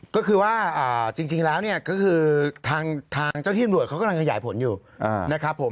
ก็คือว่าจริงแล้วเนี่ยก็คือทางท่าเจ้าทีโอปอนดิวดเขากำลังใหญ้ผลอยู่นะครับผม